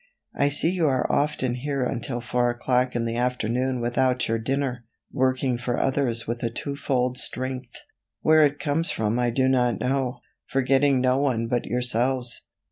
I see you are often here until 4 o'clock in the afternoon without your dinner, working for others with a two fold strength. Where it comes from I do not know forgetting no one but yourselves.